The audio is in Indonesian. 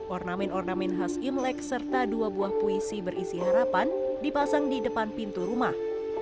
ornamen ornamen khas imlek serta dua buah puisi berisi harapan dipasang di depan pintu rumah